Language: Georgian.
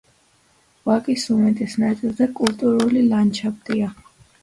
ვაკის უმეტეს ნაწილზე კულტურული ლანდშაფტია.